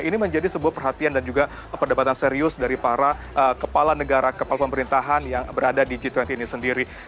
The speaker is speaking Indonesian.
ini menjadi sebuah perhatian dan juga perdebatan serius dari para kepala negara kepala pemerintahan yang berada di g dua puluh ini sendiri